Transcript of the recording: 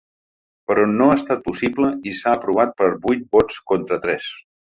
Però no ha estat possible i s’ha aprovat per vuit vots contra tres.